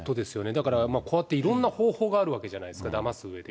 だから、こうやっていろんな方法があるわけじゃないですか、だますときに。